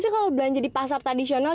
katanya sih kalo belanja di pasar tradisional